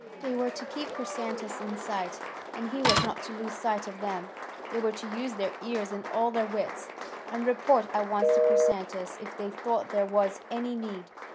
They were to keep Chrysantas in sight, and he was not to lose sight of them; they were to use their ears and all their wits, and report at once to Chrysantas if they thought there was any need.